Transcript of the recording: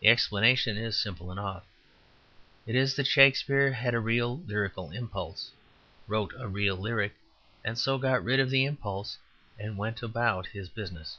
The explanation is simple enough; it is that Shakespeare had a real lyrical impulse, wrote a real lyric, and so got rid of the impulse and went about his business.